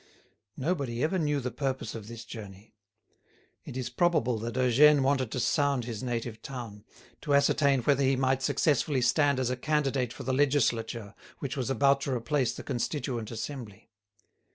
Nobody ever knew the purpose of this journey. It is probable that Eugène wanted to sound his native town, to ascertain whether he might successfully stand as a candidate for the legislature which was about to replace the Constituent Assembly.